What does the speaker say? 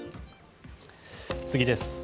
次です。